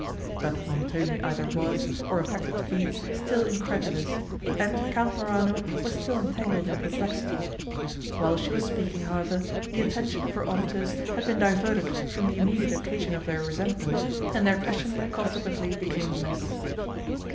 But Montoni either was, or affected to be, still incredulous; and Count Morano was still entangled in perplexity. While she was speaking, however, the attention of her auditors had been diverted from the immediate occasion of their resentment, and their passion consequently became less.